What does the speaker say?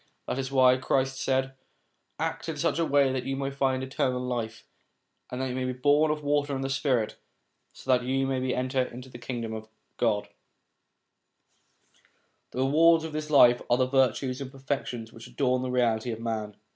That is why Christ said, ' Act in such a way that you may find eternal life, and that you may be born of water and the spirit, so that you may enter into the Kingdom.' The rewards of this life are the virtues and perfec tions which adorn the reality of man.